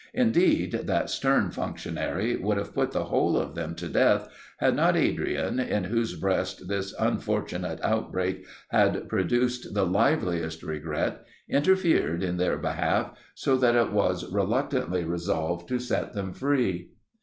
Indeed, that stern functionary would have put the whole of them to death, had not Adrian, in whose breast this unfortunate outbreak had produced the liveliest regret, interfered in their behalf, so that it was reluctantly resolved to set them free.